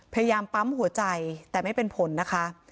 พยายามปั๊มหัวใจแต่ไม่เป็นผลนะคะ